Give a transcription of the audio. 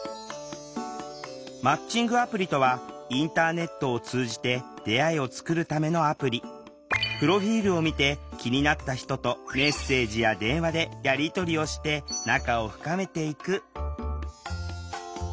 マッチングアプリとはインターネットを通じてプロフィールを見て気になった人とメッセージや電話でやり取りをして仲を深めていく。